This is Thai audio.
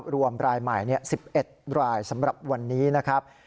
รวมรายใหม่๑๑รายสำหรับวันนี้นะครับ